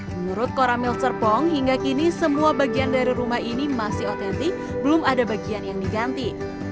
menurut koramil serpong hingga kini semua bagian dari rumah ini masih otentik belum ada bagian yang diganti